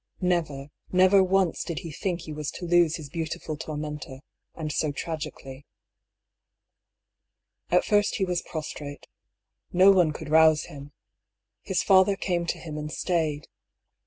Never, never once did he think he was to lose his beautiful tormentor, and so tragically. At first he was prostrate. No one could rouse him. His father came to him and stayed. Dr.